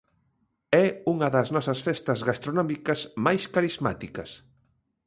É unha das nosas festas gastronómicas máis carismáticas.